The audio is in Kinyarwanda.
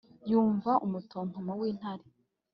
yumva umutontomo w'intare.